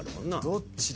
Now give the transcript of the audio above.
どっちだ？